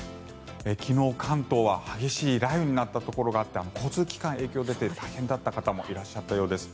昨日、関東は激しい雷雨になったところがあって交通機関に影響が出て大変だった方もいらっしゃったようです。